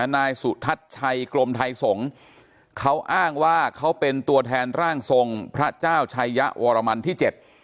นายสุทัศน์ชัยกรมไทยสงฆ์เขาอ้างว่าเขาเป็นตัวแทนร่างทรงพระเจ้าชัยยะวรมันที่เจ็ด